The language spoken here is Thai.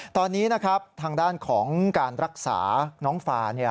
ตอนนี้นะครับทางด้านของการรักษาน้องฟา